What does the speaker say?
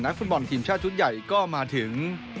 ฟุตบอลทีมชาติชุดใหญ่ก็มาถึง